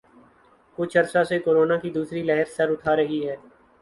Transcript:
کچھ عرصہ سے کورونا کی دوسری لہر سر اٹھا رہی ہے